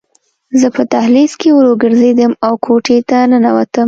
زه په دهلیز کې ورو ګرځېدم او کوټې ته ننوتم